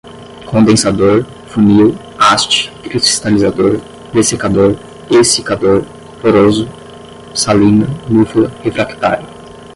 condensador, funil, haste, cristalizador, dessecador, exsicador, poroso, salina, mufla, refractário